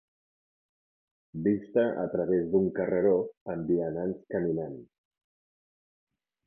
Vista a través d'un carreró amb vianants caminant.